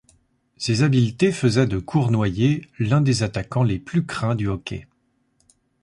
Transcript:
Ces habiletés faisaient de Cournoyer l’un des attaquants les plus craints du hockey.